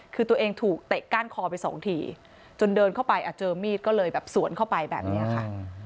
คือตัวเองถูกเตะก้านคอไปสองทีจนเดินเข้าไปเจอมีดก็เลยแบบสวนเข้าไปแบบนี้ค่ะ